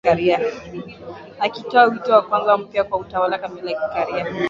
akitoa wito wa kuanza upya kwa utawala kamili wa kiraia